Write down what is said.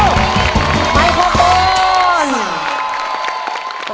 ไมโครโฟน